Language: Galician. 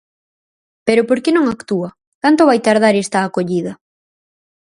¿Pero por que non actúa?, ¿canto vai tardar esta acollida?